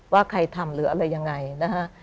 ว่าใครทำหรืออะไรยังไงนะฮะ